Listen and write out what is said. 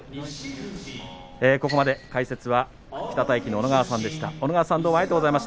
ここまで解説は北太樹の小野川さんでした。